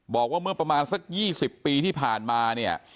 บอกว่าเมื่อประมาณสัก๒๐ปีที่ผ่านมาเนี่ย